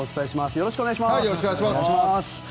よろしくお願いします。